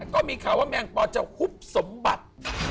ก็มีข่าวว่าแมงปอจะฮุบสมบัติ